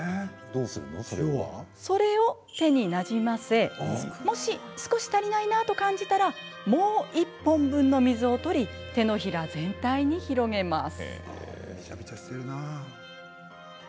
それを、手になじませもし少し足りないなと感じたらもう１本分の水を取り手のひら全体に広げます。